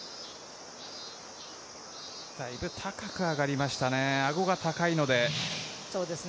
だいぶ高く上がりましたね、あごが高いので。